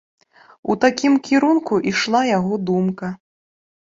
У такім кірунку ішла яго думка.